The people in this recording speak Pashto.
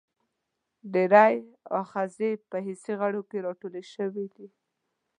ډېری آخذې په حسي غړو کې را ټولې شوي دي.